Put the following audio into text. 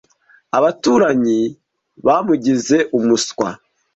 Abaturanyi bamugize umuswa.